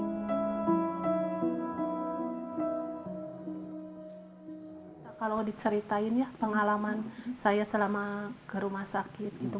kalau diceritain ya pengalaman saya selama ke rumah sakit gitu